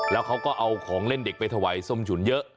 แล้วเขาก็เอาของเล่นเด็กไปถวายส้มฉุนเยอะ